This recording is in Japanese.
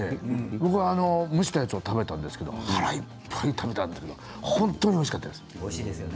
僕は蒸したやつを食べたんですけど腹いっぱい食べたんですけど本当においしかったです。